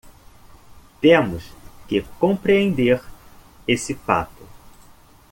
Temos que compreender esse fato.